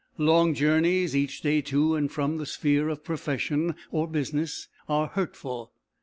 Long journeys each day, to and from the sphere of profession or business, are hurtful.